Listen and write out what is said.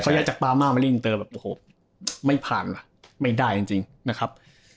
ย้ายจากปามาเล่นอินเตอร์แบบโอ้โหไม่ผ่านล่ะไม่ได้จริงนะครับ